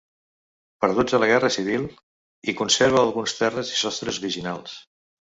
Perduts a la gerra civil- i conserva alguns terres i sostres originals.